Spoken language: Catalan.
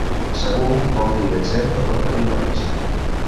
"Segur" vol dir exempt de tot perill o risc.